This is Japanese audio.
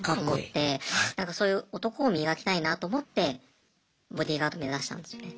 なんかそういう男を磨きたいなと思ってボディーガード目指したんですよね。